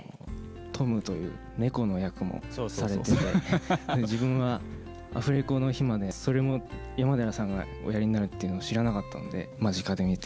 トムという猫の役もされてて、自分はアフレコの日まで、それも山寺さんがおやりになるっていうのを知らなかったんで、間近で見て、